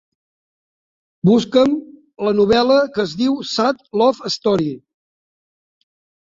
Busca"m la novel·la que es diu Sad Love Story.